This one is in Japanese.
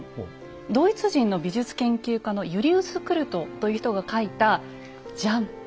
ドイツ人の美術研究家のユリウス・クルトという人が書いたジャン！